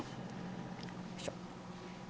よいしょ。